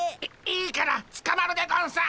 いいいからつかまるでゴンスっ。